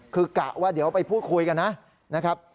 คือกะว่าเดี๋ยวไปพูดคุยกันนะครับ